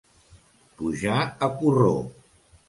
Pujar a corró.